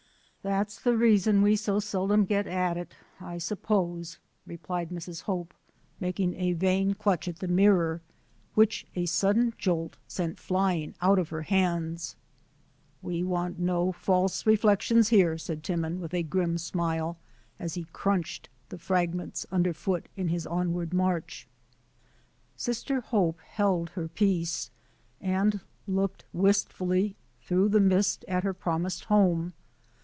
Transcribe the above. "That's the reason we so seldom get at it, I suppose," replied Mrs. Hope, making a vain clutch at the mirror, which a sudden jolt sent fly ing out of her hands. "We want no false reflections here," said Ti mon, with a grim smile, as he crunched the fragments under foot in his onward march. Sister Hope held her peace, and looked wist fully through the mist at her promised home.